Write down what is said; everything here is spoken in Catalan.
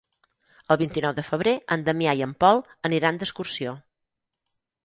El vint-i-nou de febrer en Damià i en Pol aniran d'excursió.